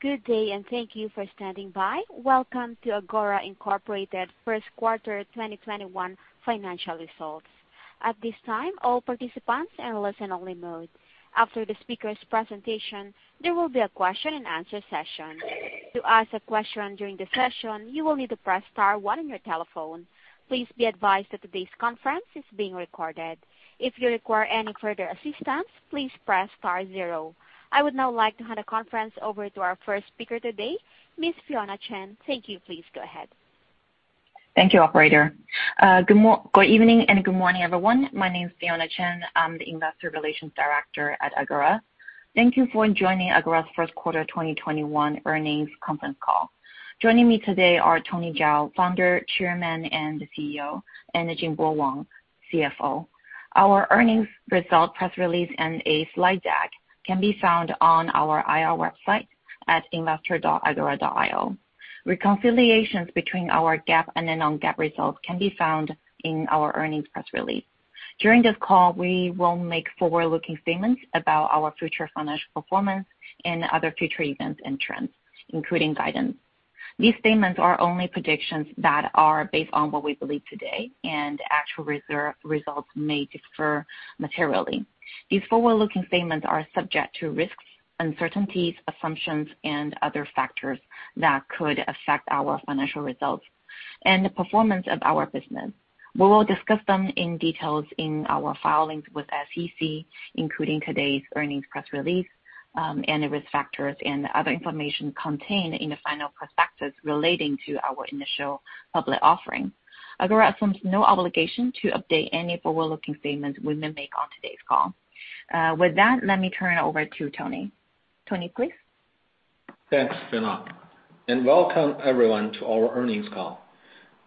Good day. Thank you for standing by. Welcome to Agora Incorporated First Quarter 2021 Financial Results. At this time, all participants are in listen-only mode. After the speaker's presentation, there will be a question and answer session. To ask a question during the session, you will need to press star one on your telephone. Please be advised that today's conference is being recorded. If you require any further assistance, please press star zero. I would now like to hand the conference over to our first speaker today, Ms. Fionna Chen. Thank you. Please go ahead. Thank you, operator. Good evening and good morning, everyone. My name is Fionna Chen. I'm the investor relations director at Agora. Thank you for joining Agora's first quarter 2021 earnings conference call. Joining me today are Tony Zhao, Founder, Chairman, and CEO, and Jingbo Wang, CFO. Our earnings results press release and a slide deck can be found on our IR website at investor.agora.io. Reconciliations between our GAAP and non-GAAP results can be found in our earnings press release. During this call, we will make forward-looking statements about our future financial performance and other future events and trends, including guidance. These statements are only predictions that are based on what we believe today, and actual results may differ materially. These forward-looking statements are subject to risks, uncertainties, assumptions, and other factors that could affect our financial results and the performance of our business. We will discuss them in detail in our filings with SEC, including today's earnings press release, and the risk factors and other information contained in the final prospectus relating to our initial public offering. Agora assumes no obligation to update any forward-looking statements we may make on today's call. With that, let me turn it over to Tony. Tony, please. Thanks, Fionna, welcome everyone to our earnings call.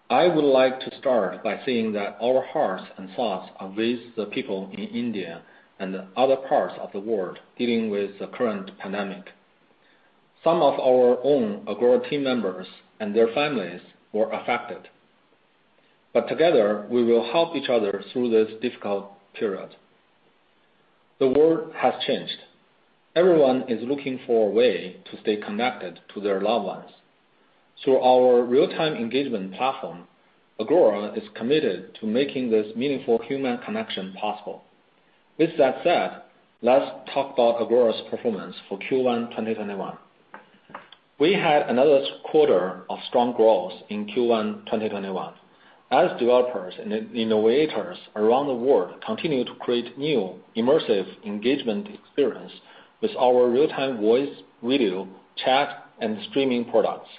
I would like to start by saying that our hearts and thoughts are with the people in India and other parts of the world dealing with the current pandemic. Some of our own Agora team members and their families were affected. Together, we will help each other through this difficult period. The world has changed. Everyone is looking for a way to stay connected to their loved ones. Through our real-time engagement platform, Agora is committed to making this meaningful human connection possible. With that said, let's talk about Agora's performance for Q1 2021. We had another quarter of strong growth in Q1 2021. Developers and innovators around the world continue to create new immersive engagement experience with our real-time voice, video, chat, and streaming products,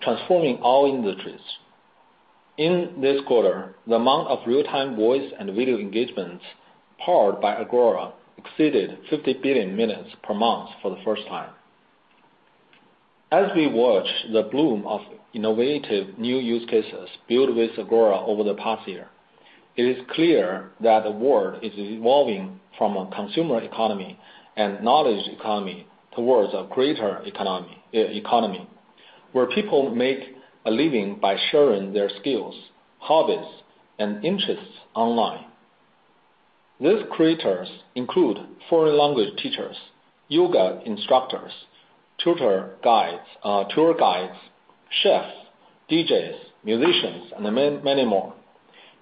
transforming all industries. In this quarter, the amount of real-time voice and video engagements powered by Agora exceeded 50 billion minutes per month for the first time. As we watch the bloom of innovative new use cases built with Agora over the past year, it is clear that the world is evolving from a consumer economy and knowledge economy towards a greater economy, where people make a living by sharing their skills, hobbies, and interests online. These creators include foreign language teachers, yoga instructors, tour guides, chefs, DJs, musicians, and many more.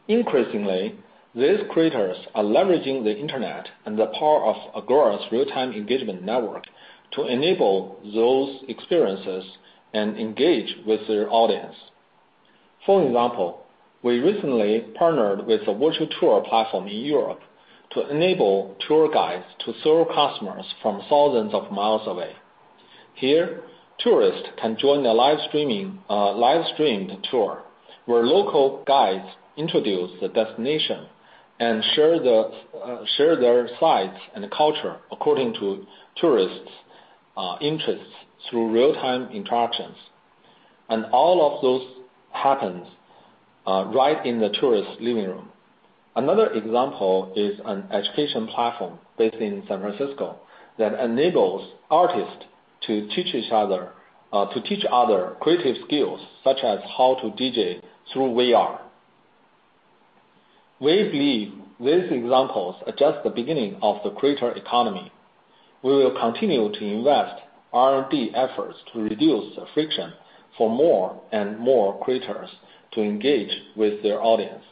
Increasingly, these creators are leveraging the internet and the power of Agora's real-time engagement network to enable those experiences and engage with their audience. For example, we recently partnered with a virtual tour platform in Europe to enable tour guides to serve customers from thousands of miles away. Here, tourists can join a live-streamed tour, where local guides introduce the destination and share their sights and culture according to tourists' interests through real-time interactions. All of this happens right in the tourist's living room. Another example is an education platform based in San Francisco that enables artists to teach other creative skills, such as how to DJ through VR. We believe these examples are just the beginning of the creator economy. We will continue to invest R&D efforts to reduce the friction for more and more creators to engage with their audience.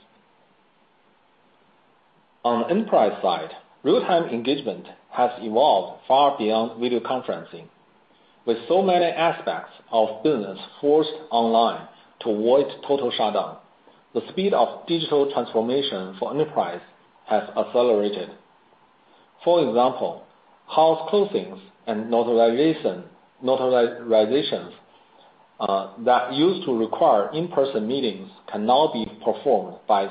On the enterprise side, real-time engagement has evolved far beyond video conferencing. With so many aspects of business forced online to avoid total shutdown, the speed of digital transformation for enterprise has accelerated. For example, house closings and notarizations that used to require in-person meetings can now be performed by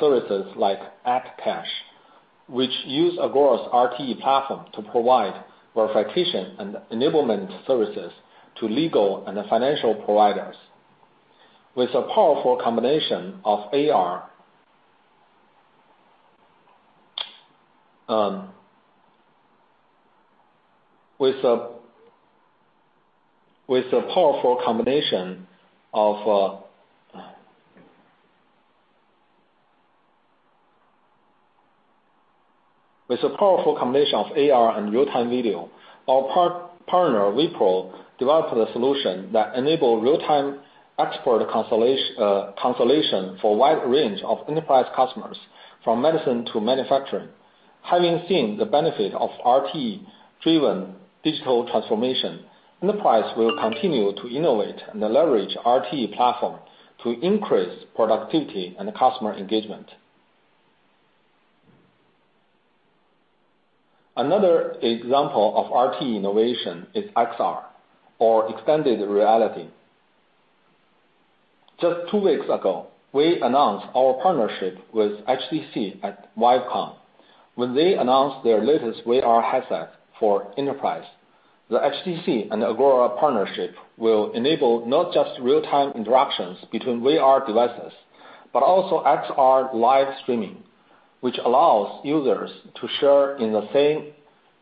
services like at.cash, which use Agora's RTE platform to provide verification and enablement services to legal and financial providers. With the powerful combination of AR and real-time video, our partner, Wipro, developed a solution that enable real-time expert consultation for a wide range of enterprise customers, from medicine to manufacturing. Having seen the benefit of RTE-driven digital transformation, enterprise will continue to innovate and leverage RTE platform to increase productivity and customer engagement. Another example of RTE innovation is XR, or extended reality. Just two weeks ago, we announced our partnership with HTC at VIVECON, when they announced their latest VR headset for enterprise. The HTC and Agora partnership will enable not just real-time interactions between VR devices, but also XR live streaming, which allows users to share in the same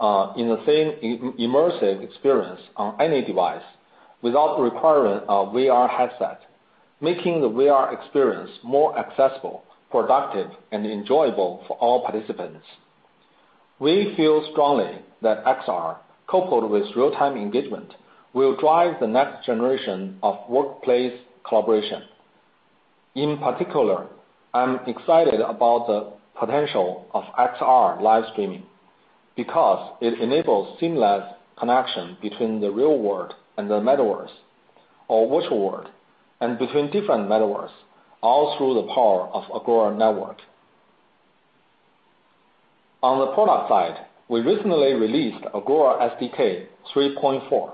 immersive experience on any device without requiring a VR headset, making the VR experience more accessible, productive, and enjoyable for all participants. We feel strongly that XR coupled with real-time engagement, will drive the next generation of workplace collaboration. In particular, I'm excited about the potential of XR live streaming because it enables seamless connection between the real world and the metaverse or virtual world, and between different metaverse, all through the power of Agora network. On the product side, we recently released Agora SDK 3.4,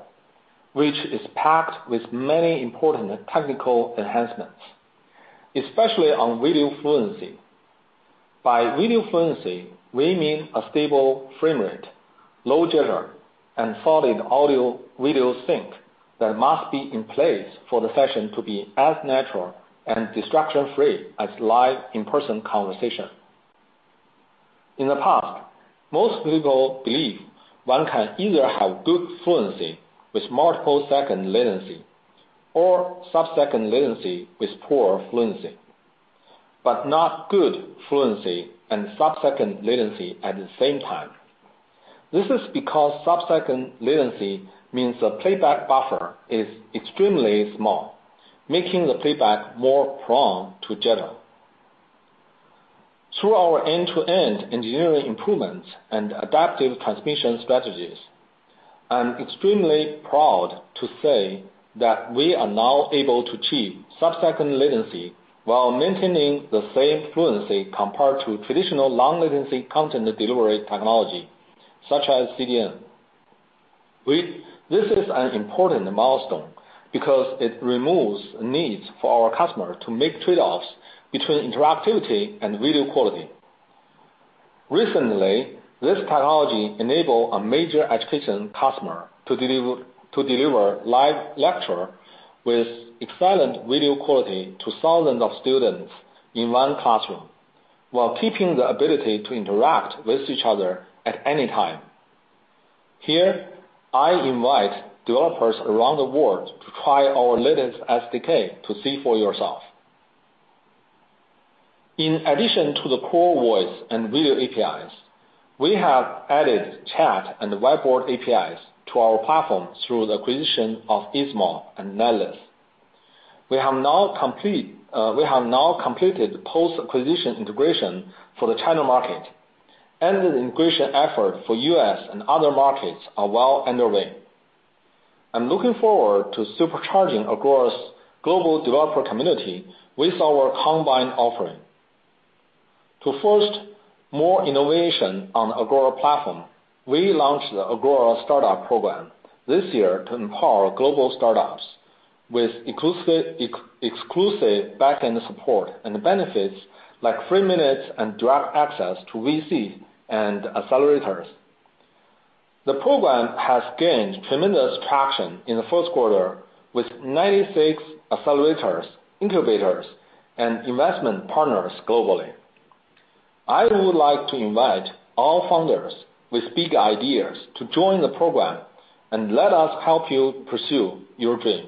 which is packed with many important technical enhancements, especially on video fluency. By video fluency, we mean a stable frame rate, low jitter, and solid audio-video sync that must be in place for the session to be as natural and distraction-free as live in-person conversation. In the past, most people believe one can either have good fluency with multiple-second latency or sub-second latency with poor fluency. Not good fluency and sub-second latency at the same time. This is because sub-second latency means the playback buffer is extremely small, making the playback more prone to jitter. Through our end-to-end engineering improvements and adaptive transmission strategies, I'm extremely proud to say that we are now able to achieve sub-second latency while maintaining the same fluency compared to traditional long-latency content delivery technology, such as CDN. This is an important milestone because it removes needs for our customer to make trade-offs between interactivity and video quality. Recently, this technology enable a major education customer to deliver live lecture with excellent video quality to thousands of students in one classroom while keeping the ability to interact with each other at any time. Here, I invite developers around the world to try our latest SDK to see for yourself. In addition to the core voice and video APIs, we have added chat and whiteboard APIs to our platform through the acquisition of Easemob and Netless. We have now completed the post-acquisition integration for the China market, and the integration effort for U.S. and other markets are well underway. I'm looking forward to supercharging Agora's global developer community with our combined offering. To foster more innovation on Agora platform, we launched the Agora Startup Program this year to empower global startups with exclusive backend support and benefits like free minutes and direct access to VC and accelerators. The program has gained tremendous traction in the first quarter with 96 accelerators, incubators, and investment partners globally. I would like to invite all founders with big ideas to join the program and let us help you pursue your dream.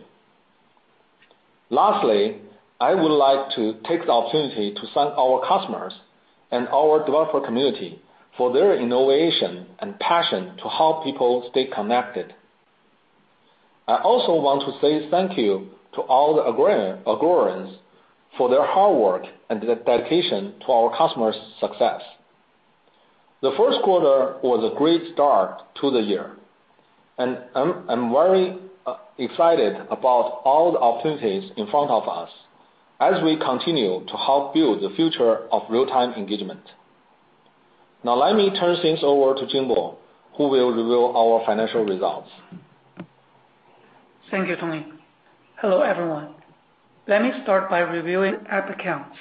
Lastly, I would like to take the opportunity to thank our customers and our developer community for their innovation and passion to help people stay connected. I also want to say thank you to all the Agorans for their hard work and dedication to our customers' success. The first quarter was a great start to the year, and I'm very excited about all the opportunities in front of us as we continue to help build the future of real-time engagement. Now let me turn things over to Jingbo, who will reveal our financial results. Thank you, Tony. Hello, everyone. Let me start by reviewing active accounts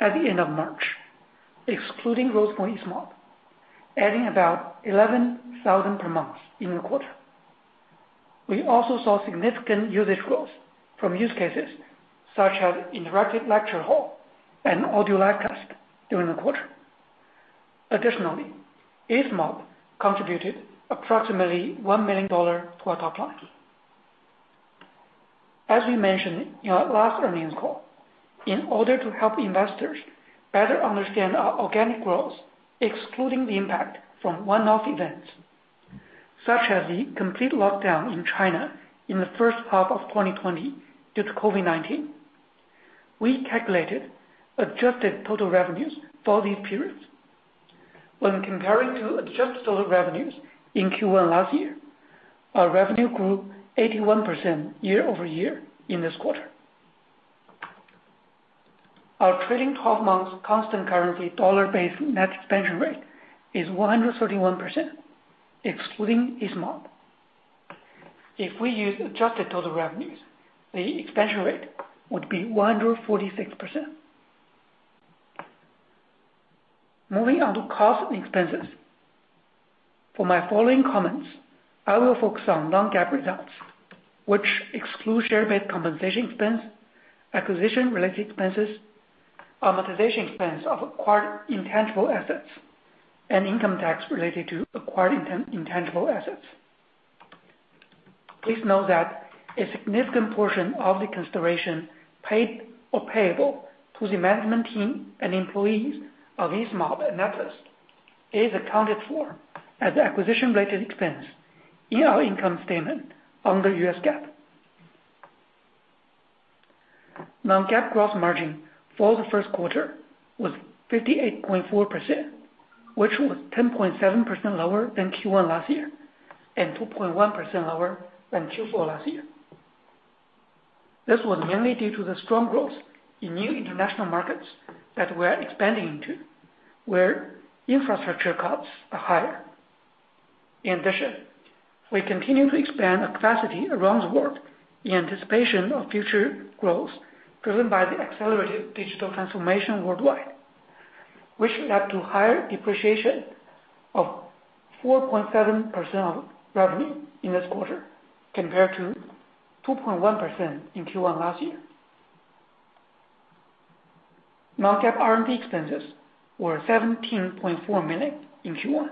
at the end of March, excluding growth for Easemob, adding about 11,000 per month in the quarter. We also saw significant usage growth from use cases such as interactive lecture hall and audio live cast during the quarter. Additionally, Easemob contributed approximately $1 million to our top line. We mentioned in our last earnings call, in order to help investors better understand our organic growth, excluding the impact from one-off events such as the complete lockdown in China in the first half of 2020 due to COVID-19, we calculated adjusted total revenues for these periods. When comparing to adjusted total revenues in Q1 last year, our revenue grew 81% year-over-year in this quarter. Our trailing 12 months constant currency dollar-based net expansion rate is 131%, excluding Easemob. If we use adjusted total revenues, the expansion rate would be 146%. Moving on to costs and expenses. For my following comments, I will focus on non-GAAP results, which exclude share-based compensation expense, acquisition-related expenses, amortization expense of acquired intangible assets, and income tax related to acquired intangible assets. Please note that a significant portion of the consideration paid or payable to the management team and employees of Easemob and Netless is accounted for as acquisition-related expense in our income statement under the U.S. GAAP. Non-GAAP gross margin for the first quarter was 58.4%, which was 10.7% lower than Q1 last year and 2.1% lower than Q4 last year. This was mainly due to the strong growth in new international markets that we're expanding into, where infrastructure costs are higher. In addition, we continue to expand our capacity around the world in anticipation of future growth driven by the accelerated digital transformation worldwide, which led to higher depreciation of 4.7% of revenue in this quarter compared to 2.1% in Q1 last year. Non-GAAP R&D expenses were $17.4 million in Q1,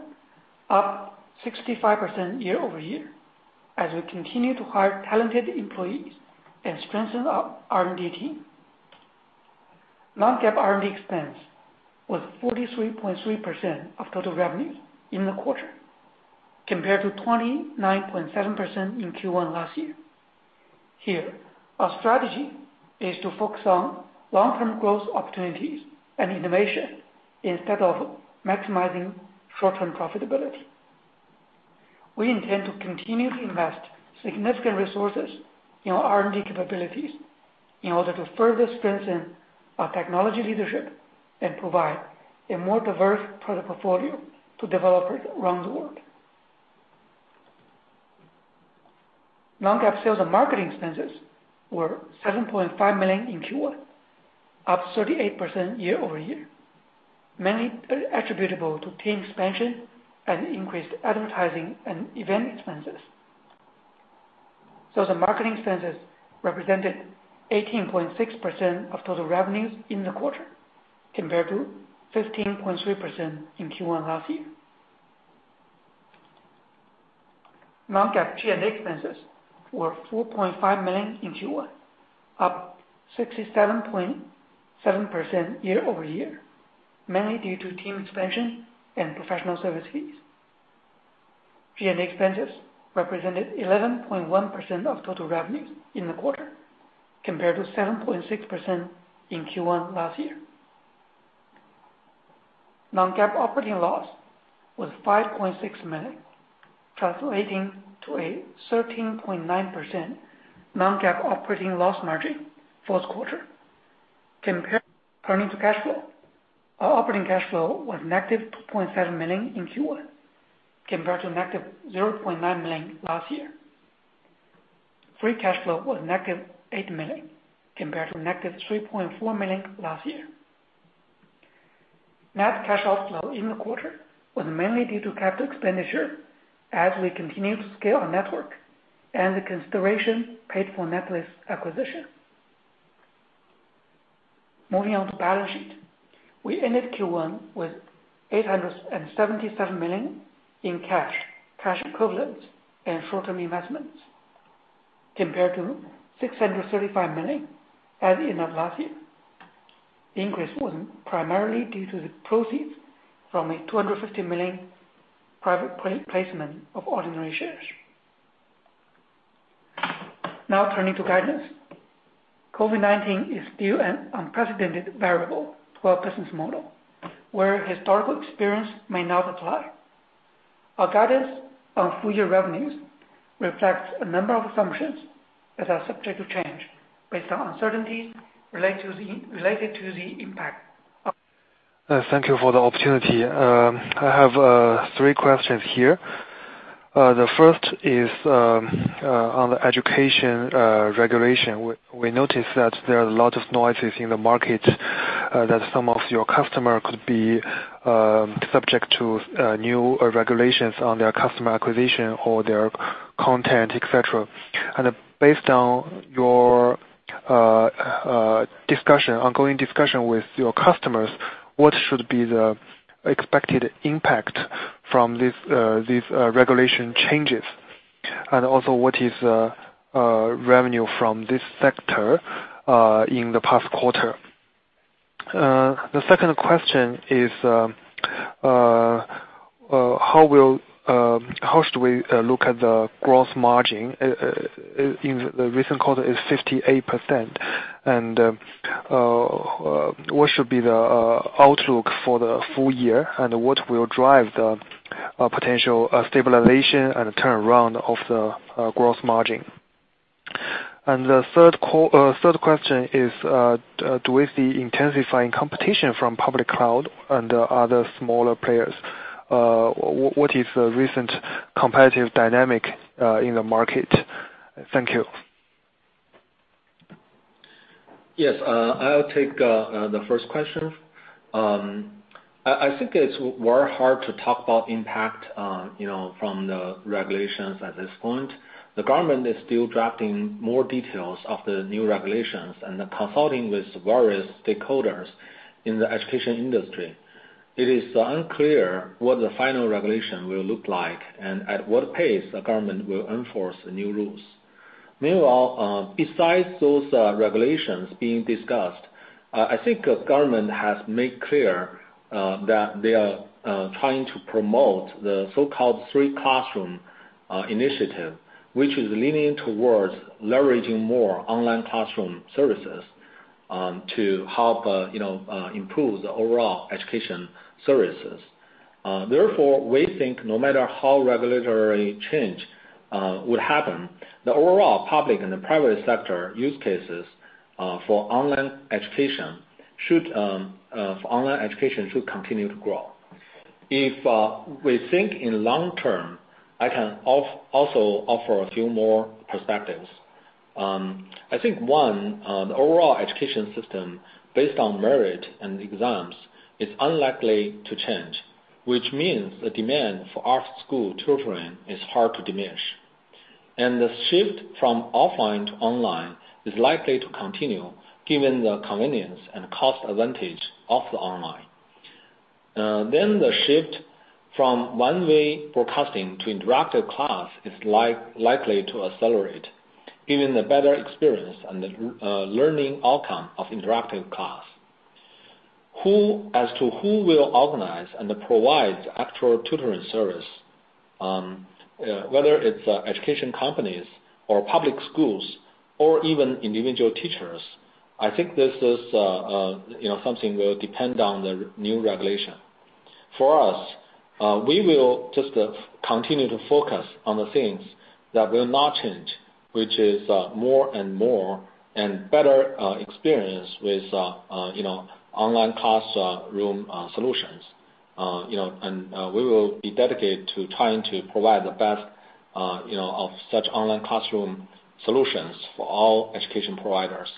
up 65% year-over-year as we continue to hire talented employees and strengthen our R&D team. Non-GAAP R&D expense was 43.3% of total revenue in the quarter, compared to 29.7% in Q1 last year. Here, our strategy is to focus on long-term growth opportunities and innovation instead of maximizing short-term profitability. We intend to continuously invest significant resources in our R&D capabilities in order to further strengthen our technology leadership and provide a more diverse product portfolio to developers around the world. Non-GAAP sales and marketing expenses were $7.5 million in Q1, up 38% year-over-year, mainly attributable to team expansion and increased advertising and event expenses. Sales and marketing expenses represented 18.6% of total revenues in the quarter, compared to 15.3% in Q1 last year. Non-GAAP G&A expenses were $4.5 million in Q1, up 67.7% year-over-year, mainly due to team expansion and professional service fees. G&A expenses represented 11.1% of total revenue in the quarter, compared to 7.6% in Q1 last year. Non-GAAP operating loss was $5.6 million, translating to a 13.9% non-GAAP operating loss margin for the quarter. Turning to cash flow. Our operating cash flow was -$2.7 million in Q1, compared to -$0.9 million last year. Free cash flow was -$8 million, compared to -$3.4 million last year. Net cash outflow in the quarter was mainly due to capital expenditure as we continue to scale our network and the consideration paid for Netless acquisition. Moving on to balance sheet. We ended Q1 with $877 million in cash equivalents, and short-term investments, compared to $635 million as of end of last year. The increase was primarily due to the proceeds from a $250 million private placement of ordinary shares. Now turning to guidance. COVID-19 is still an unprecedented variable to our business model where historical experience may not apply. Our guidance on full-year revenues reflects a number of assumptions that are subject to change based on uncertainties related to the impact of- Thank you for the opportunity. I have three questions here. The first is on the education regulation. We noticed that there are a lot of noises in the market that some of your customer could be subject to new regulations on their customer acquisition or their content, et cetera. Based on your discussion, ongoing discussion with your customers, what should be the expected impact from these regulation changes? Also, what is revenue from this sector in the past quarter? The second question is, how should we look at the gross margin? In the recent quarter is 58%. What should be the outlook for the full year, and what will drive the potential stabilization and turnaround of the gross margin? The third question is, do we see intensifying competition from public cloud and other smaller players? What is the recent competitive dynamic in the market? Thank you. Yes. I'll take the first question. I think it's very hard to talk about impact from the regulations at this point. The government is still drafting more details of the new regulations and consulting with various stakeholders in the education industry. It is unclear what the final regulation will look like and at what pace the government will enforce the new rules. Meanwhile, besides those regulations being discussed, I think the government has made clear that they are trying to promote the so-called three-classroom initiative, which is leaning towards leveraging more online classroom services to help improve the overall education services. Therefore, we think no matter how regulatory change will happen, the overall public and the private sector use cases for online education should continue to grow. If we think in long term, I can also offer a few more perspectives. I think, one, the overall education system based on merit and exams is unlikely to change, which means the demand for after-school tutoring is hard to diminish. The shift from offline to online is likely to continue given the convenience and cost advantage of online. The shift from one-way broadcasting to interactive class is likely to accelerate given the better experience and the learning outcome of interactive class. As to who will organize and provide actual tutoring service, whether it's education companies or public schools or even individual teachers, I think this is something will depend on the new regulation. For us, we will just continue to focus on the things that will not change, which is more and more, and better experience with online classroom solutions. We will be dedicated to trying to provide the best of such online classroom solutions for all education providers.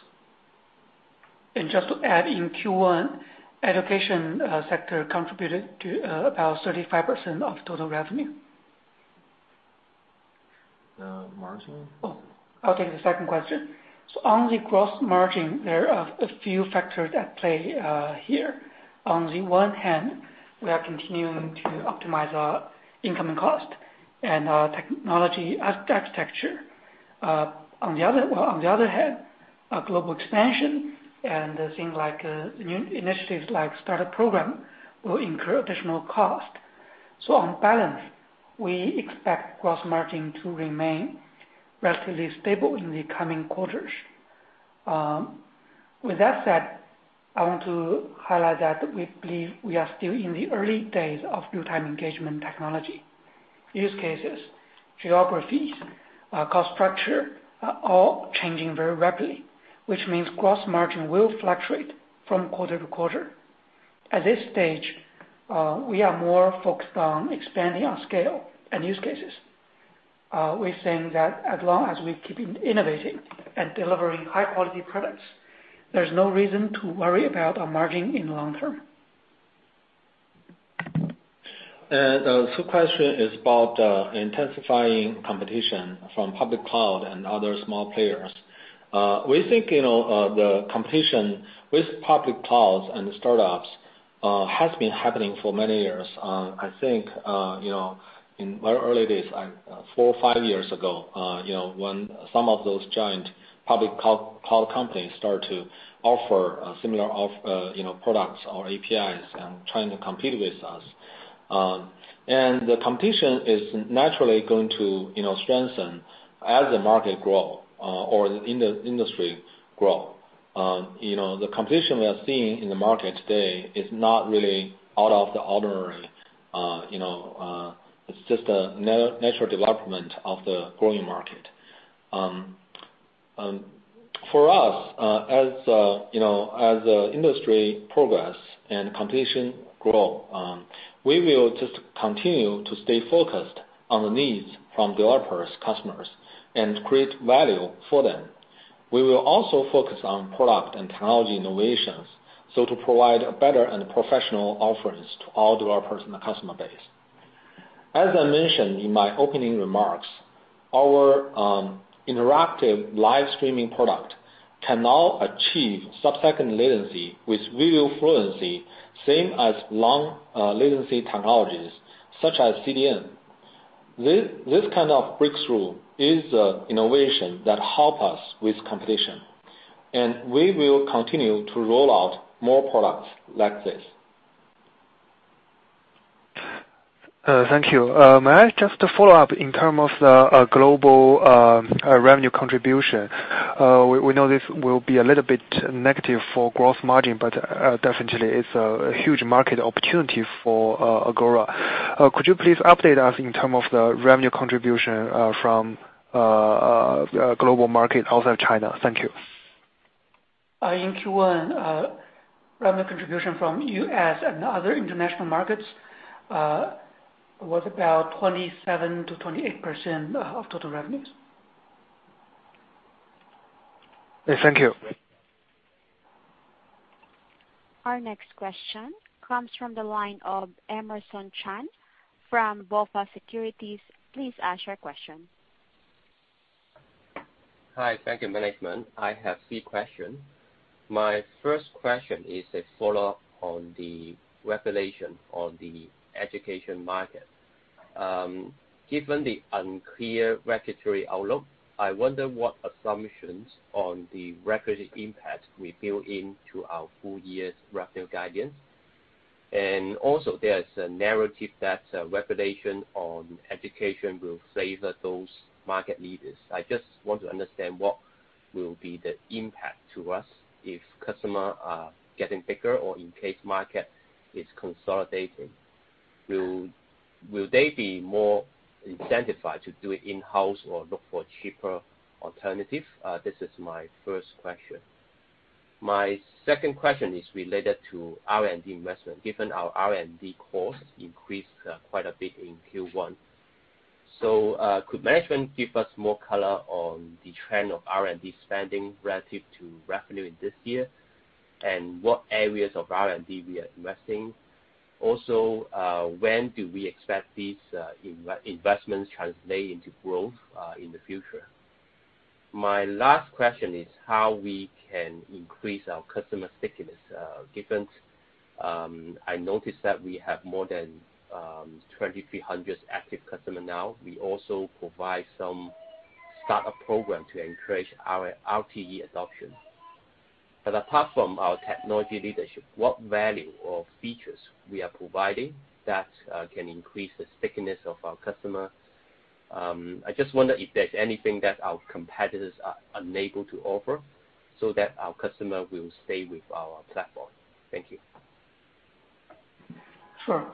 Just to add, in Q1, education sector contributed to about 35% of total revenue. The margin. Okay, the second question. On the gross margin, there are a few factors at play here. On the one hand, we are continuing to optimize our in-house cost and our technology architecture. On the other hand, our global expansion and things like new initiatives like Startups program will incur additional cost. On balance, we expect gross margin to remain relatively stable in the coming quarters. With that said, I want to highlight that we believe we are still in the early days of real-time engagement technology. Use cases, geography, cost structure, are all changing very rapidly, which means gross margin will fluctuate from quarter to quarter. At this stage, we are more focused on expanding our scale and use cases. We think that as long as we keep innovating and delivering high-quality products, there's no reason to worry about our margin in long term. The third question is about the intensifying competition from public cloud and other small players. We think, the competition with public clouds and startups has been happening for many years. I think, in the very early days, four or five years ago, when some of those giant public cloud companies started to offer similar products or APIs and trying to compete with us. The competition is naturally going to strengthen as the market grow or as the industry grow. The competition we are seeing in the market today is not really out of the ordinary. It's just a natural development of the growing market. For us, as the industry progress and competition grow, we will just continue to stay focused on the needs from developers, customers, and create value for them. We will also focus on product and technology innovations, so to provide better and professional offerings to all developers and customer base. As I mentioned in my opening remarks, our interactive live streaming product can now achieve sub-second latency with video fluency, same as long latency technologies such as CDN. This kind of breakthrough is the innovation that help us with competition. We will continue to roll out more products like this. Thank you. May I just follow up in terms of global revenue contribution? We know this will be a little bit negative for gross margin, but definitely, it's a huge market opportunity for Agora. Could you please update us in terms of the revenue contribution from global market outside China? Thank you. In Q1, revenue contribution from U.S. and other international markets was about 27%-28% of total revenue. Thank you. Our next question comes from the line of Emerson Chan from BofA Securities. Please ask your question. Hi. Thank you, management. I have three questions. My first question is a follow-up on the regulation on the education market. Given the unclear regulatory outlook, I wonder what assumptions on the regulatory impact we build into our full year revenue guidance. Also, there's a narrative that regulation on education will favor those market leaders. I just want to understand what will be the impact to us if customer are getting bigger or in case market is consolidating. Will they be more incentivized to do it in-house or look for cheaper alternative? This is my first question. My second question is related to R&D investment, given our R&D costs increased quite a bit in Q1. Could management give us more color on the trend of R&D spending relative to revenue in this year, and what areas of R&D we are investing? When do we expect these investments translate into growth in the future? My last question is how we can increase our customer stickiness, given I noticed that we have more than 2,300 active customer now. We also provide some startup program to encourage our RTE adoption. Apart from our technology leadership, what value or features we are providing that can increase the stickiness of our customer? I just wonder if there's anything that our competitors are unable to offer so that our customer will stay with our platform. Thank you. Sure.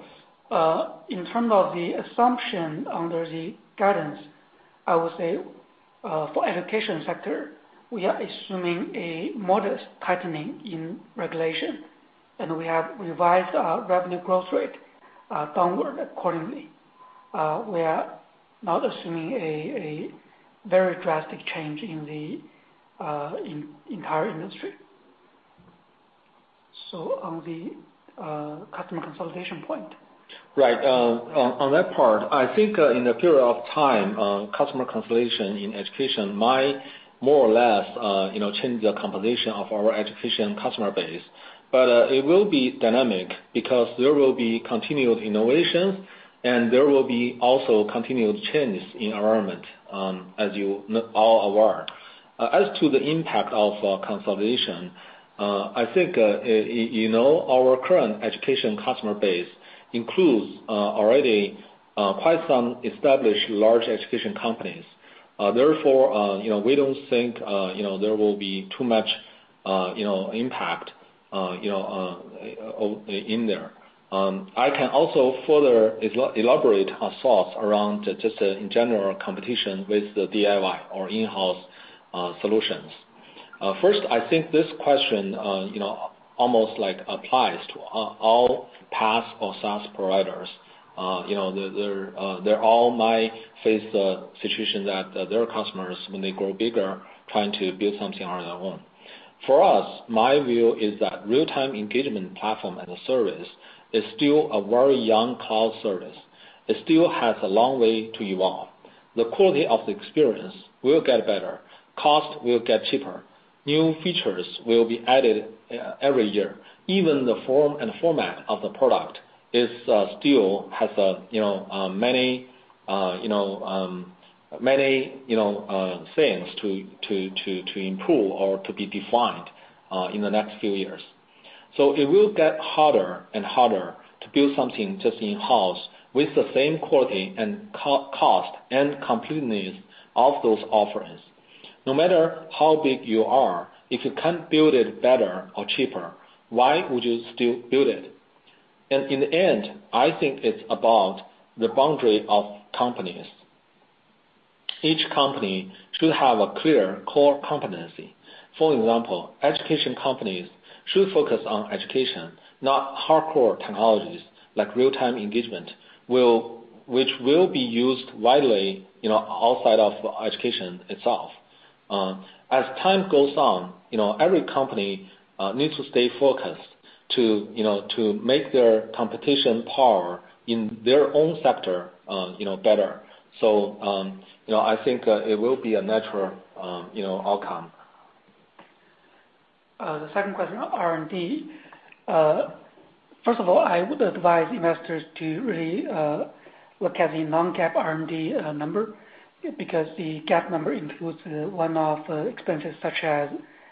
In terms of the assumption under the guidance, I would say for education sector, we are assuming a modest tightening in regulation, and we have revised our revenue growth rate downward accordingly. We are not assuming a very drastic change in the entire industry. On the customer consolidation point. Right. On that part, I think in the period of time, customer consolidation in education might more or less change the composition of our education customer base. It will be dynamic because there will be continued innovations, and there will be also continued changes in environment, as you are aware. As to the impact of consolidation, I think our current education customer base includes already quite some established large education companies. Therefore, we don't think there will be too much impact in there. I can also further elaborate our thoughts around just in general competition with the DIY or in-house solutions. First, I think this question almost applies to all PaaS or SaaS providers. They all might face the situation that their customers, when they grow bigger, trying to build something on their own. For us, my view is that real-time engagement platform-as-a-service is still a very young cloud service. It still has a long way to evolve. The quality of the experience will get better, cost will get cheaper, new features will be added every year. Even the form and format of the product still has many things to improve or to be defined in the next few years. It will get harder and harder to build something just in-house with the same quality and cost and completeness of those offerings. No matter how big you are, if you can't build it better or cheaper, why would you still build it? In the end, I think it's about the boundary of companies. Each company should have a clear core competency. For example, education companies should focus on education, not hardcore technologies like real-time engagement, which will be used widely outside of education itself. As time goes on, every company needs to stay focused to make their competition power in their own sector better. I think it will be a natural outcome. The second question, R&D. First of all, I would advise investors to really look at the non-GAAP R&D number, because the GAAP number includes one-off expenses such as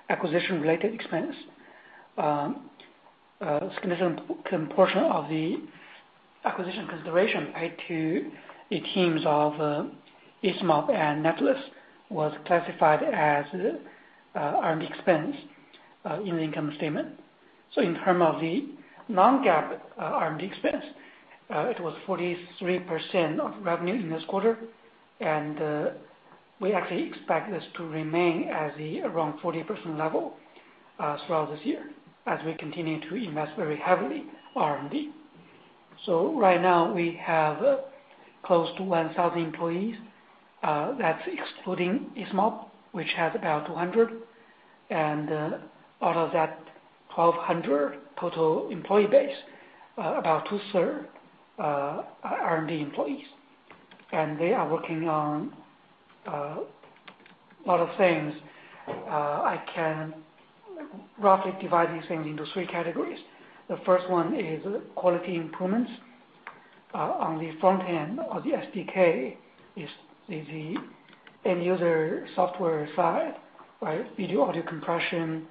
acquisition-related expense. Significant portion of the acquisition consideration to the teams of Easemob and Netless was classified as R&D expense in the income statement. In term of the non-GAAP R&D expense, it was 43% of revenue in this quarter. We actually expect this to remain as around 40% level throughout this year as we continue to invest very heavily in R&D. Right now we have close to 1,000 employees. That's excluding Easemob, which has about 200. Out of that 1,200 total employee base, about two-thirds are R&D employees. They are working on a lot of things. I can roughly divide these things into three categories. The first one is quality improvements on the front end of the SDK, the end user software side, video/audio compression,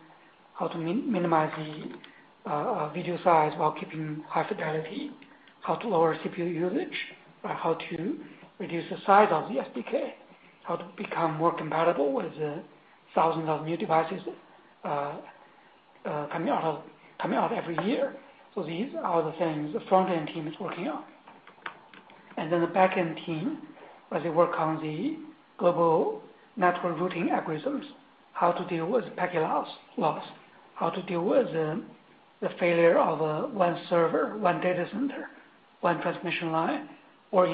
how to minimize the video size while keeping high fidelity, how to lower CPU usage, how to reduce the size of the SDK, how to become more compatible with the thousands of new devices coming out every year. These are the things the front end team is working on. The back end team, they work on the global network routing algorithms, how to deal with packet loss, how to deal with the failure of one server, one data center, one transmission line, or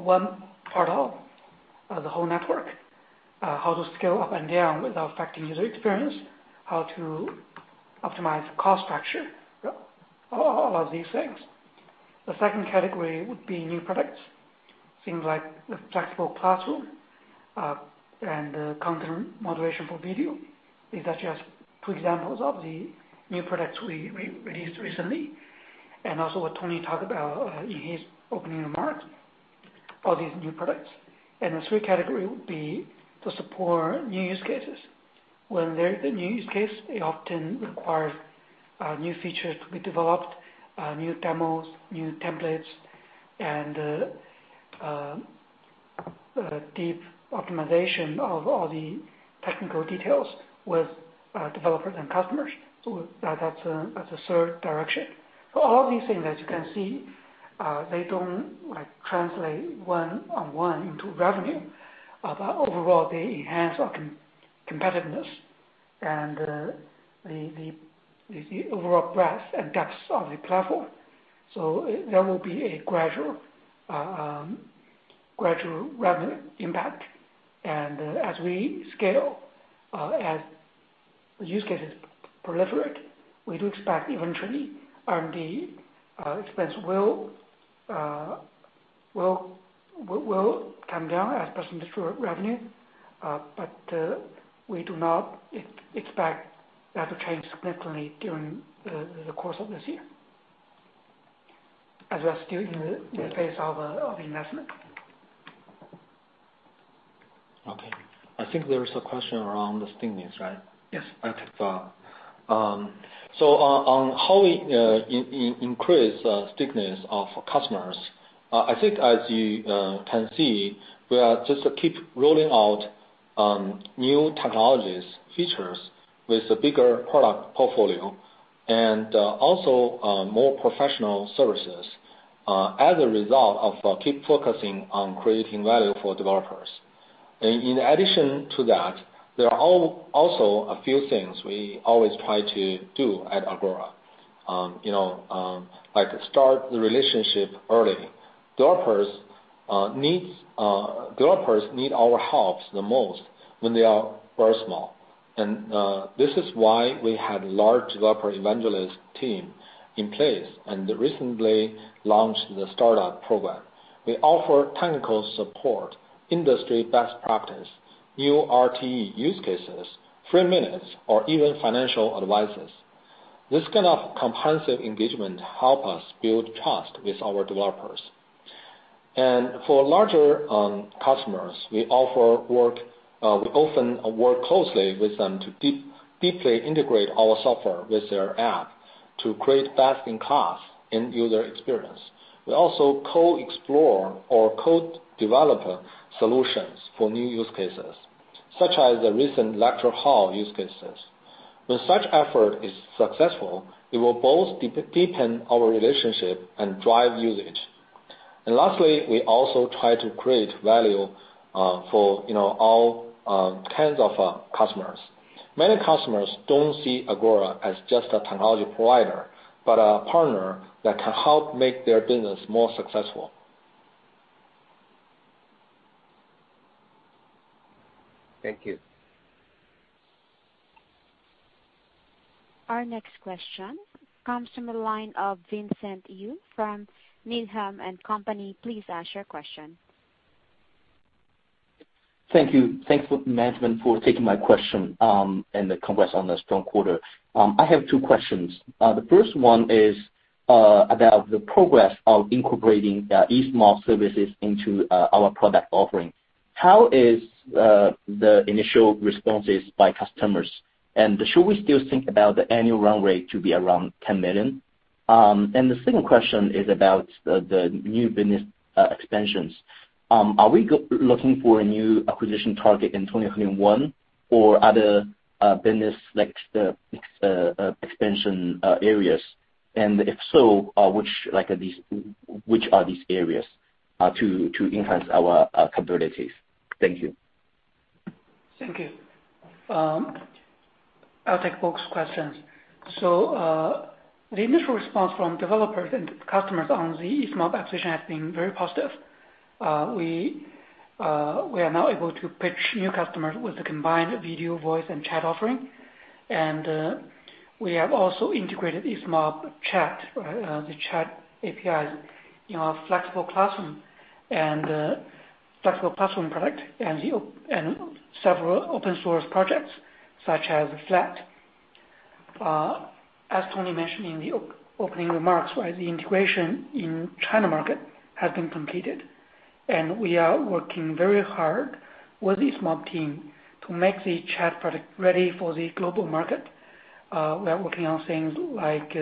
one part of the whole network, how to scale up and down without affecting user experience, how to optimize cost structure, all these things. The second category would be new products, things like the Flexible Classroom, and the content moderation for video. That's just two examples of the new products we released recently. Also what Tony talked about in his opening remarks, all these new products. The third category would be to support new use cases. When there is a new use case, it often requires new features to be developed, new demos, new templates, and deep optimization of all the technical details with developers and customers. That's a third direction. For all these things, as you can see, they don't translate one-on-one into revenue. Overall, they enhance our competitiveness and the overall breadth and depth of the platform. There will be a gradual revenue impact. As we scale, as use cases proliferate, we do expect eventually R&D expense will come down as a percentage of revenue. We do not expect that to change significantly during the course of this year, as we are still in the phase of investment. Okay. I think there is a question around stickiness, right? Yes. Okay. On how we increase stickiness of customers. I think as you can see, we are just keep rolling out new technologies, features with a bigger product portfolio and also more professional services as a result of keep focusing on creating value for developers. In addition to that, there are also a few things we always try to do at Agora. Like start the relationship early. Developers need our help the most when they are very small. This is why we have large developer evangelist team in place and recently launched the Startups program. We offer technical support, industry best practice, new RTE use cases, free minutes, or even financial advices. This kind of comprehensive engagement help us build trust with our developers. For larger customers, we often work closely with them to deeply integrate our software with their app to create best-in-class end-user experience. We also co-explore or co-develop solutions for new use cases, such as the recent lecture hall use cases. When such effort is successful, it will both deepen our relationship and drive usage. Lastly, we also try to create value for all kinds of customers. Many customers don't see Agora as just a technology provider, but a partner that can help make their business more successful Thank you. Our next question comes from the line of Vincent Yu from Needham & Company. Please ask your question. Thank you. Thanks, management, for taking my question. Congrats on a strong quarter. I have two questions. The first one is about the progress of incorporating the Easemob services into our product offering. How is the initial responses by customers? Should we still think about the annual run rate to be around $10 million? The second question is about the new business extensions. Are we looking for a new acquisition target in 2021 or other business extension areas? If so, which are these areas to enhance our competitive? Thank you. Thank you. I'll take both questions. The initial response from developers and customers on the Easemob acquisition has been very positive. We are now able to pitch new customers with a combined video, voice, and chat offering. We have also integrated Easemob chat, the chat APIs in our Flexible Classroom product and several open source projects such as Flat. As Tony mentioned in the opening remarks, the integration in China market has been completed, and we are working very hard with the Easemob team to make the chat product ready for the global market. We are working on things like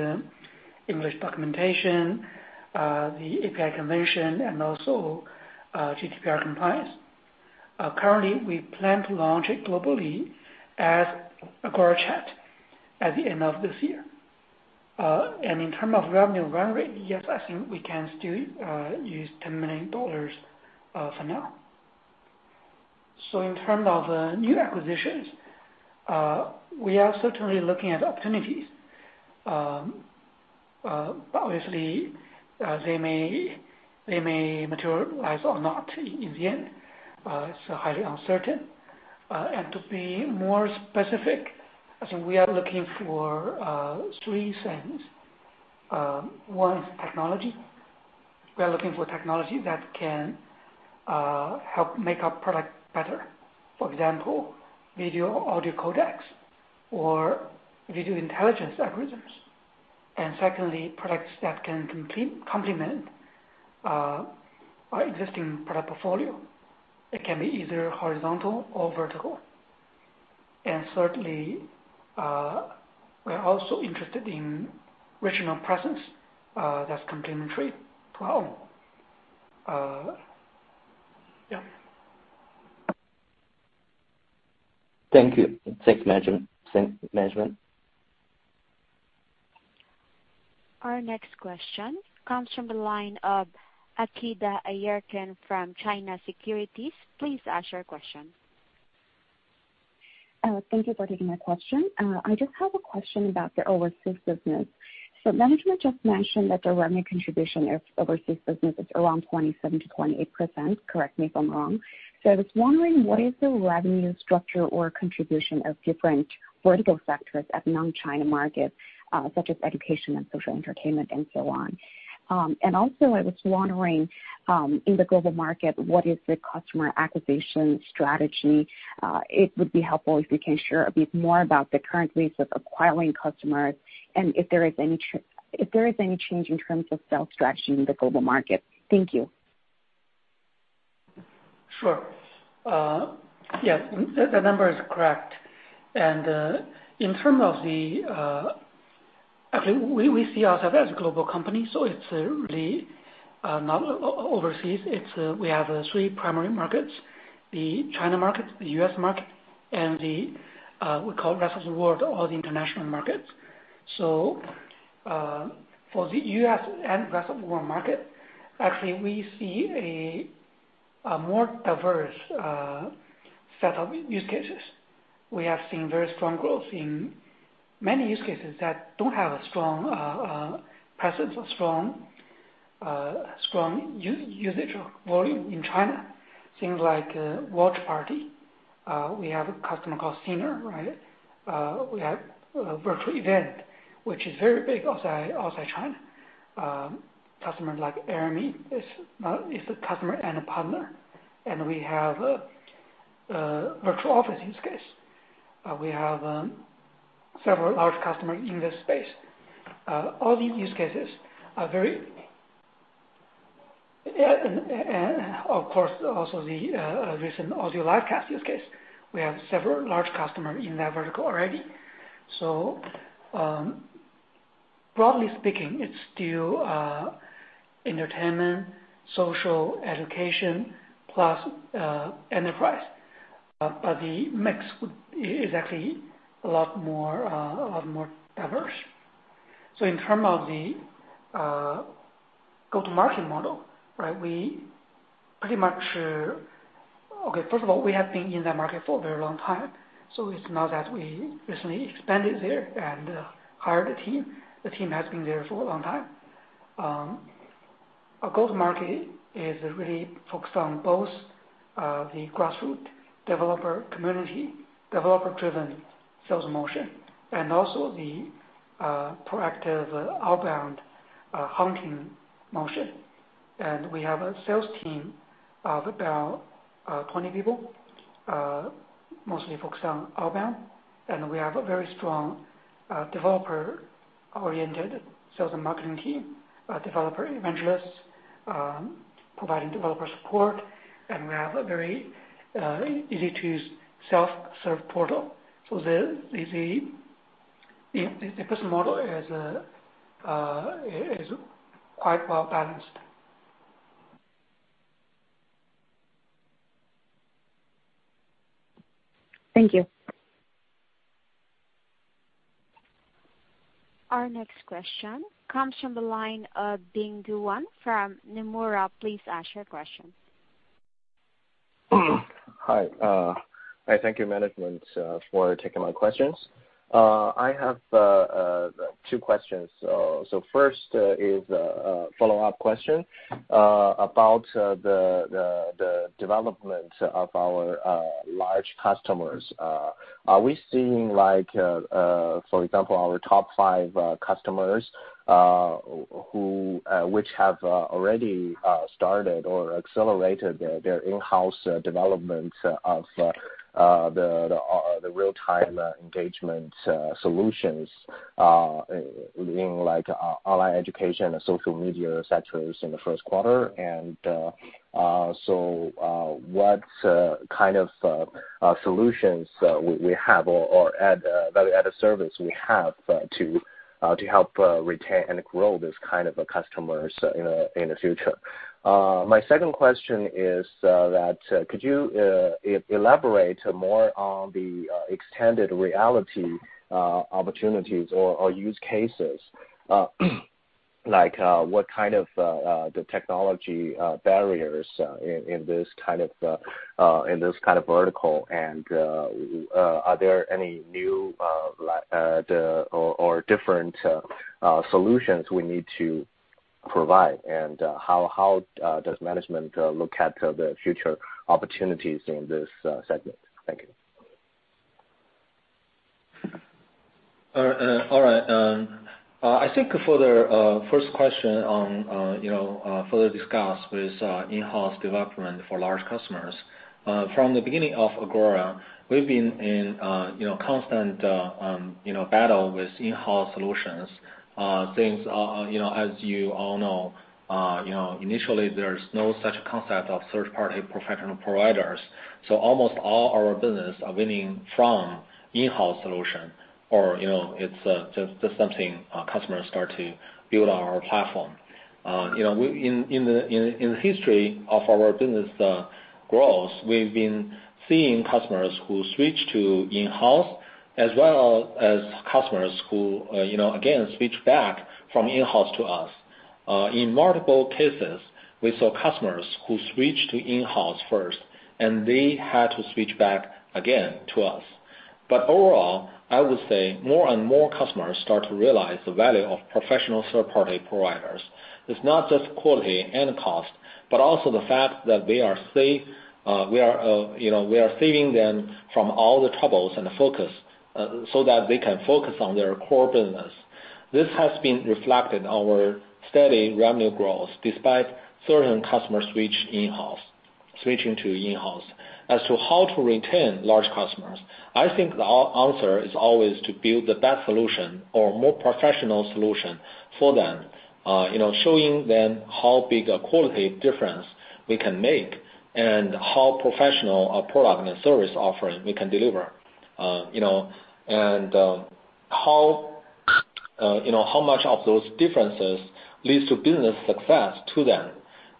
English documentation, the API convention, and also GDPR compliance. Currently, we plan to launch it globally as Agora Chat at the end of this year. In terms of revenue run rate, yes, I think we can still use $10 million for now. In terms of new acquisitions, we are certainly looking at opportunities. Obviously, they may materialize or not in the end. It's highly uncertain. To be more specific, I think we are looking for three things. One is technology. We are looking for technology that can help make our product better. For example, video audio codecs or video intelligence algorithms. Secondly, products that can complement our existing product portfolio. It can be either horizontal or vertical. Certainly, we are also interested in regional presence that's complementary for our model. Yeah. Thank you. Thanks, management. Our next question comes from the line of Akida Aierken from China Securities. Please ask your question. Thank you for taking my question. I just have a question about the overseas business. Management just mentioned that the revenue contribution of overseas business is around 27%-28%, correct me if I'm wrong. I was wondering, what is the revenue structure or contribution of different vertical sectors at non-China markets, such as education and social entertainment and so on. I was wondering, in the global market, what is the customer acquisition strategy? It would be helpful if you can share a bit more about the current mix of acquiring customers and if there is any change in terms of sales strategy in the global market. Thank you. Sure. Yes, the number is correct. Actually, we see ourselves as a global company, so it's really not overseas. We have three primary markets, the China market, the U.S. market, and we call rest of world all the international markets. For the U.S. and rest of world market, actually, we see a more diverse set of use cases. We have seen very strong growth in many use cases that don't have a strong presence or strong usage or volume in China. Things like watch party. We have a customer called Scener. We have virtual event, which is very big outside China. Customers like Airmeet is a customer and a partner. We have a virtual office use case. We have several large customer in this space. Of course, also the recent audio live cast use case. We have several large customers in that vertical already. Broadly speaking, it's still entertainment, social, education, plus enterprise. The mix is actually a lot more diverse. In terms of the go-to-market model. First of all, we have been in that market for a very long time, so it's not that we recently expanded there and hired a team. The team has been there for a long time. Our go-to-market is really focused on both the grassroots developer community, developer-driven sales motion, and also the proactive outbound hunting motion. We have a sales team of about 20 people, mostly focused on outbound. We have a very strong developer-oriented sales and marketing team, developer evangelists providing developer support. We have a very easy-to-use self-serve portal. The business model is quite well-balanced. Thank you. Our next question comes from the line of Bing Duan from Nomura. Please ask your question. Hi. Thank you, management, for taking my questions. I have two questions. First is a follow-up question about the development of our large customers. Are we seeing, for example, our top five customers which have already started or accelerated their in-house development of the real-time engagement solutions in online education and social media, et cetera, in the first quarter? What kind of solutions we have or added service we have to help retain and grow this kind of customers in the future? My second question is that could you elaborate more on the extended reality opportunities or use cases? What kind of the technology barriers in this kind of vertical, and are there any new or different solutions we need to provide? How does management look at the future opportunities in this segment? Thank you. All right. I think for the first question on further discuss with in-house development for large customers. From the beginning of Agora, we've been in constant battle with in-house solutions, since, as you all know, initially there's no such concept of third-party professional providers. Almost all our business are winning from in-house solution, or it's just something customers start to build on our platform. In the history of our business growth, we've been seeing customers who switch to in-house as well as customers who, again, switch back from in-house to us. In multiple cases, we saw customers who switched to in-house first, and they had to switch back again to us. Overall, I would say more and more customers start to realize the value of professional third-party providers. It's not just quality and cost, but also the fact that we are freeing them from all the troubles so that they can focus on their core business. This has been reflected in our steady revenue growth despite certain customers switching to in-house. As to how to retain large customers, I think the answer is always to build the best solution or more professional solution for them. Showing them how big a quality difference we can make and how professional a product and service offering we can deliver. How much of those differences leads to business success to them.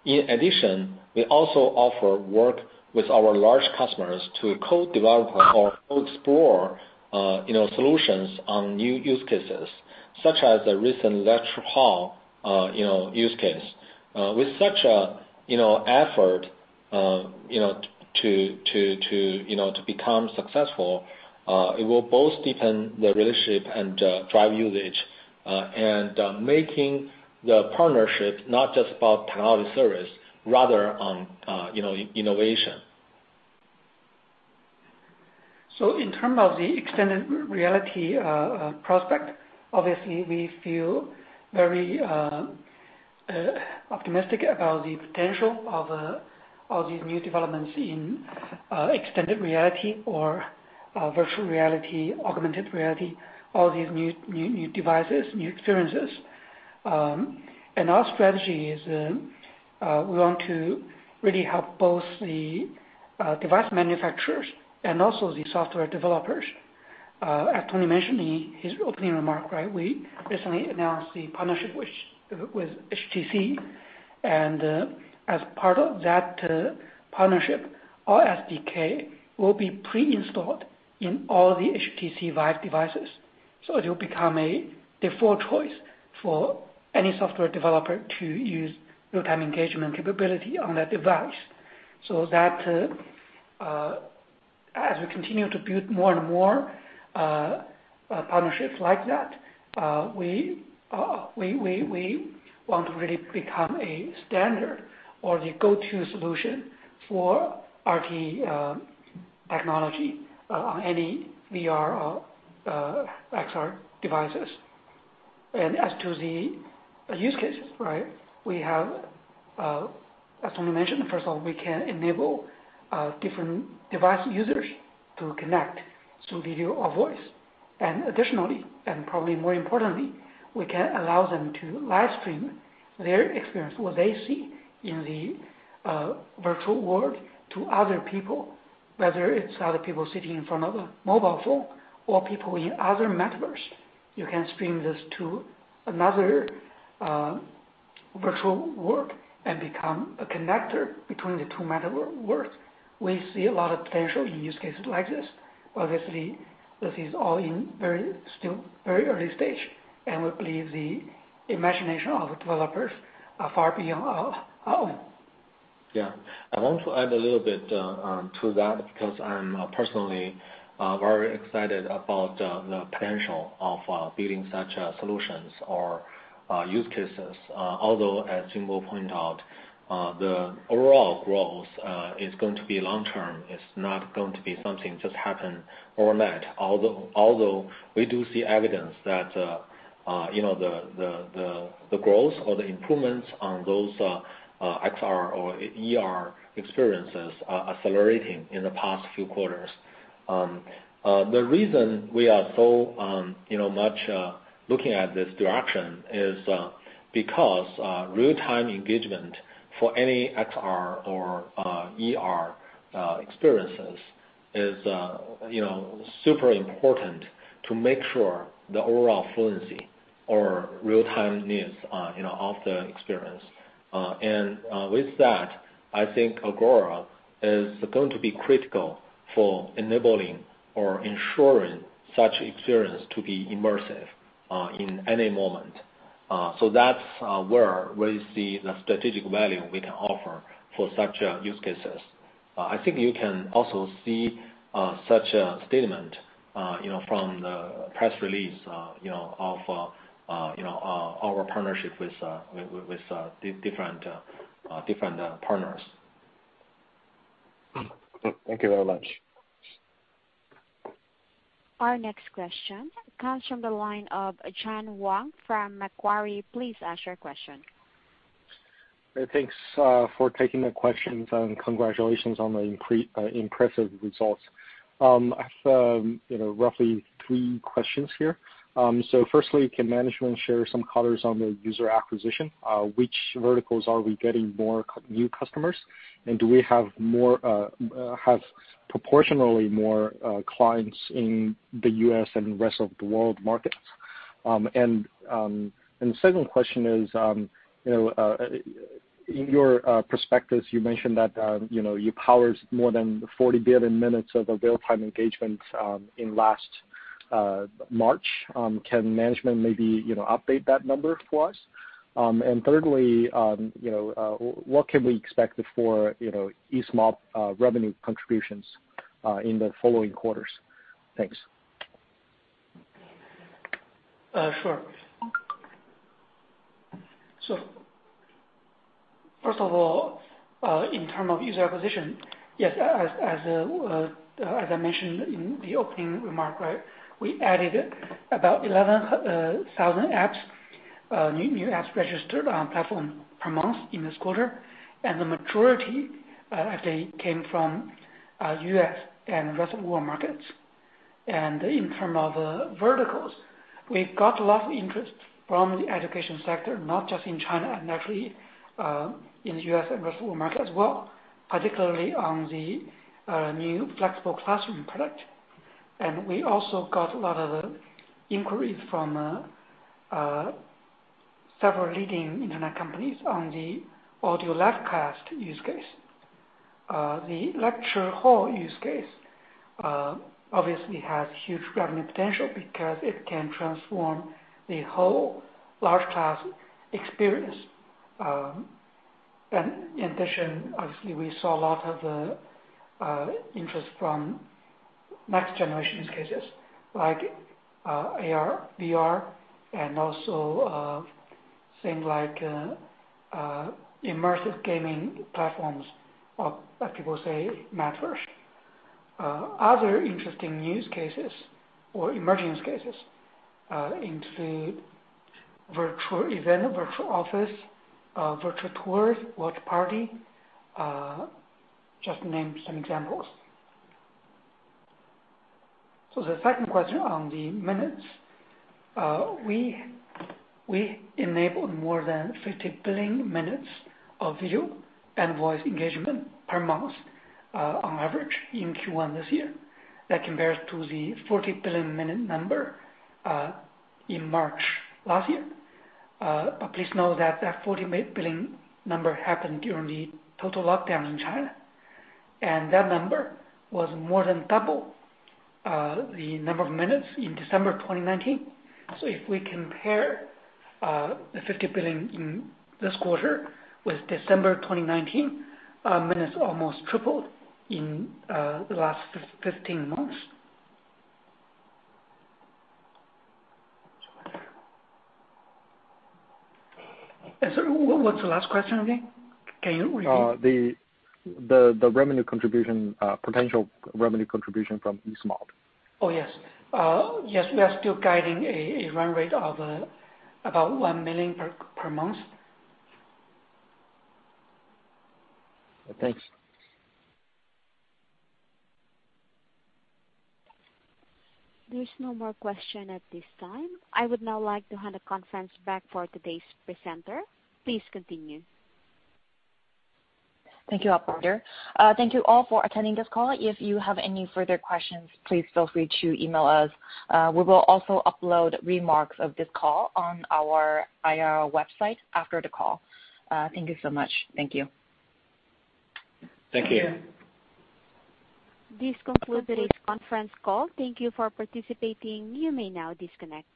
In addition, we also offer work with our large customers to co-develop or co-explore solutions on new use cases, such as the recent lecture hall use case. With such effort to become successful, it will both deepen the relationship and drive usage, and making the partnership not just about technology service, rather on innovation. In terms of the extended reality prospect, obviously, we feel very optimistic about the potential of all these new developments in extended reality or virtual reality, augmented reality, all these new devices, new experiences. Our strategy is we want to really help both the device manufacturers and also the software developers. As Tony mentioned in his opening remark, we recently announced the partnership with HTC, and as part of that partnership, our SDK will be pre-installed in all the HTC VIVE devices. It will become a default choice for any software developer to use real-time engagement capability on their device. That as we continue to build more and more partnerships like that, we want to really become a standard or the go-to solution for RTE technology on any VR or XR devices. As to the use cases, we have, as Tony mentioned, first of all, we can enable different device users to connect through video or voice. Additionally, and probably more importantly, we can allow them to live stream their experience, what they see in the virtual world to other people, whether it's other people sitting in front of a mobile phone or people in other metaverse. You can stream this to another virtual world and become a connector between the two metaverse worlds. We see a lot of potential in use cases like this. Obviously, this is all in still very early stage, and we believe the imagination of the developers are far beyond our own. I want to add a little bit to that because I'm personally very excited about the potential of building such solutions or use cases. Although, as Jingbo pointed out, the overall growth is going to be long-term. It's not going to be something just happen overnight. Although we do see evidence that the growth or the improvements on those XR or AR experiences are accelerating in the past few quarters. The reason we are looking so much at this direction is because real-time engagement for any XR or AR experiences is super important to make sure the overall fluency or real-timeness of the experience. With that, I think Agora is going to be critical for enabling or ensuring such experience to be immersive in any moment. That's where we see the strategic value we can offer for such use cases. I think you can also see such a statement from the press release of our partnership with different partners. Thank you very much. Our next question comes from the line of Chen Wang from Macquarie. Please ask your question. Thanks for taking the questions. Congratulations on the impressive results. I have roughly three questions here. Firstly, can management share some color on the user acquisition? Which verticals are we getting more new customers? Do we have proportionally more clients in the U.S. and rest of the world markets? Second question is, in your perspective, you mentioned that you powered more than 40 billion minutes of real-time engagement in last March. Can management maybe update that number for us? Thirdly, what can we expect for Easemob revenue contributions in the following quarters? Thanks. Sure. First of all, in terms of user acquisition. Yes, as I mentioned in the opening remark, we added about 11,000 new apps registered on platform per month in this quarter. The majority, they came from U.S. and rest of the world markets. In terms of the verticals, we've got a lot of interest from the education sector, not just in China and naturally in the U.S. and rest of the world market as well, particularly on the new Flexible Classroom product. We also got a lot of inquiries from several leading internet companies on the audio live cast use case. The lecture hall use case obviously has huge revenue potential because it can transform the whole large class experience. In addition, obviously, we saw a lot of the interest from next-generation use cases like AR, VR, and also things like immersive gaming platforms, like people say, metaverse. Other interesting use cases or emerging use cases into virtual event, virtual office, virtual tours, watch party, just to name some examples. The second question on the minutes. We enabled more than 50 billion minutes of video and voice engagement per month on average in Q1 this year. That compares to the 40 billion minute number in March last year. Please note that that 40 billion number happened during the total lockdown in China, and that number was more than double the number of minutes in December 2019. If we compare the 50 billion in this quarter with December 2019, minutes almost tripled in the last 15 months. What's the last question again? The potential revenue contribution from Easemob. Oh, yes. Yes, we are still guiding a run rate of about $1 million per month. Thanks. There's no more question at this time. I would now like to hand the conference back for today's presenter. Please continue. Thank you, operator. Thank you all for attending this call. If you have any further questions, please feel free to email us. We will also upload remarks of this call on our IR website after the call. Thank you so much. Thank you. Thank you. This concludes the conference call. Thank you for participating. You may now disconnect.